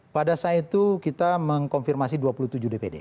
pada saat itu kita mengkonfirmasi dua puluh tujuh dpd